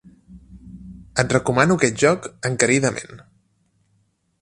Et recomano aquest joc encaridament.